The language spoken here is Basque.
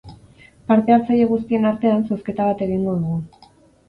Parte-hartzaile guztien artean, zozketa bat egingo dugu.